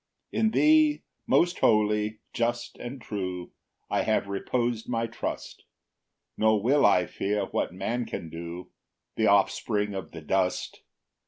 8 In thee, most holy, just, and true, I have repos'd my trust; Nor will I fear what man can do, The offspring of the dust.